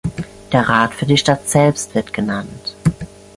Der Rat für die Stadt selbst wird genannt.